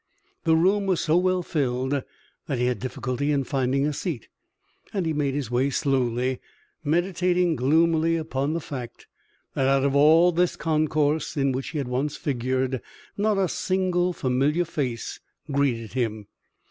The room was so well filled that he had difficulty in finding a seat, and he made his way slowly, meditating gloomily upon the fact that out of all this concourse in which he had once figured not a single familiar face greeted him.